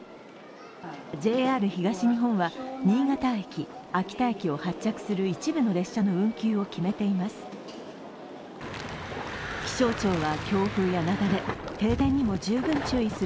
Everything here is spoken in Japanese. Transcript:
ＪＲ東日本は、新潟駅、秋田駅を発着する一部の列車の運休を決めています。